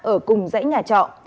ở cùng dãy nhà trọ